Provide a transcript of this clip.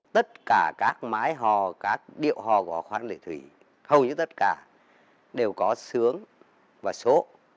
tất cả các mái hò các điệu hò của hò khoan lệ thủy hầu như tất cả đều có sướng và số